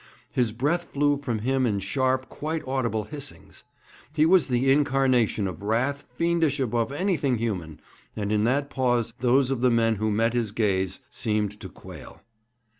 His breath flew from him in sharp, quite audible hissings. He was the incarnation of wrath fiendish above anything human, and in that pause those of the men who met his gaze seemed to quail.